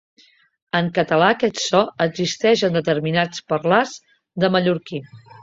En català aquest so existeix en determinats parlars de mallorquí.